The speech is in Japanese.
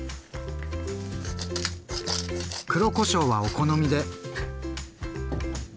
黒こしょうはお好みで。